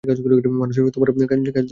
মানুষ তোমার কাজ দেখা মিস করে।